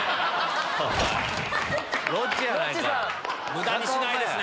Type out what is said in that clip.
無駄にしないですね！